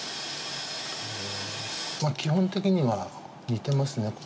基本的には似てますね。